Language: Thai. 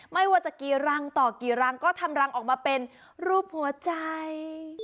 ไม่ว่าจะกี่รังต่อกี่รังก็ทำรังออกมาเป็นรูปหัวใจ